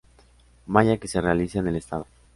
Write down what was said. Maya que se realiza en el estado.